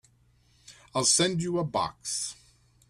I'll send you a box.